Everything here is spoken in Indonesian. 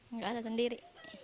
enggak ada sendiri